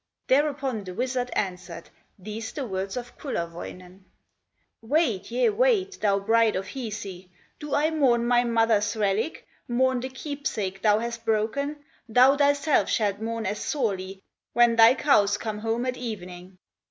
Thereupon the wizard answered, These the words of Kullerwoinen: "Wait, yea wait, thou bride of Hisi! Do I mourn my mother's relic, Mourn the keep sake thou hast broken? Thou thyself shalt mourn as sorely When thy cows come home at evening!"